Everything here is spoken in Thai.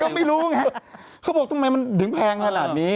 ก็ไม่รู้ไงเขาบอกทำไมมันถึงแพงขนาดนี้